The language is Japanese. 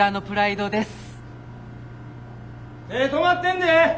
手ぇ止まってんで！